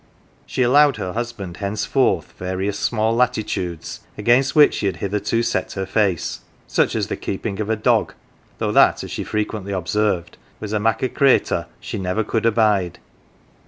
She allowed her husband henceforth various small latitudes against which she had hitherto set her face ; such as the keeping of a dog, though that, as she frequently observed, was a mak 1 o 1 cratur she never could abide.